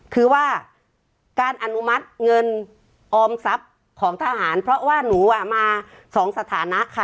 คือว่าการอนุมัติเงินออมทรัพย์ของทหารเพราะว่าหนูอ่ะมาสองสถานะค่ะ